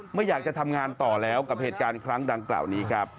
ไม่อยากจะทำงานต่อแล้วกับเหตุการณ์ครั้งดังกล่าวนี้ครับ